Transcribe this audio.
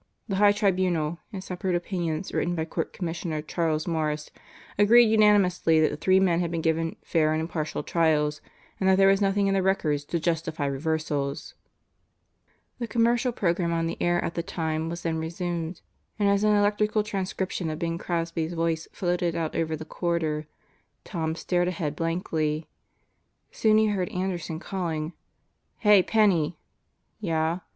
The high tribunal, in separate opinions written by Court Commissioner Charles Morris agreed unanimously that the three men had been given 'fair and impartial trials' and that there was nothing in the records to justify reversals." The commercial program on the air at the time was then resumed and as an electrical transcription of Bing Crosby's voice floated out over the corridor, Tom stared ahead blankly. Soon he heard Anderson calling. "Hey, Penney!" "Yeah?"